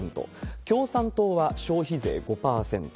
共産党は消費税５％。